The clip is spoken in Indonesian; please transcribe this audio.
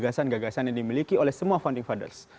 gagasan gagasan yang dimiliki oleh semua founding fathers